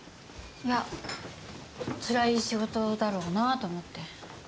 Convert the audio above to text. いやつらい仕事だろうなと思って。